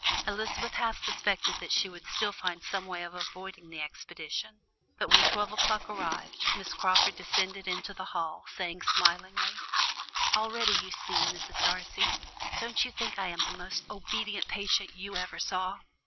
Elizabeth half suspected that she would still find some way of avoiding the expedition, but when twelve o'clock arrived, Miss Crawford descended into the hall, saying smilingly: "All ready, you see, Mrs. Darcy. Don't you think I am the most obedient patient you ever saw?